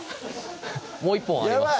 もう１本あります